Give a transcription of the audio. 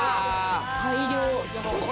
大量。